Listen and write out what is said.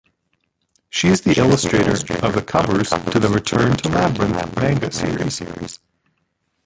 She is the illustrator of the covers to the "Return to Labyrinth" manga series.